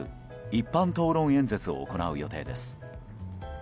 一般討論演説を行う予定です。